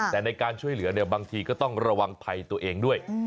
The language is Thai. แต่ในการช่วยเหลือบางทีก็ต้องระวังภัยตัวเองด้วย